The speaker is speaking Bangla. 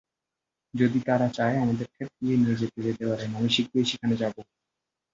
যদি তারা চায়, তাদের খেতড়িতে নিয়ে যেতে পারেন, আমি শিঘ্রই সেখানে যাব।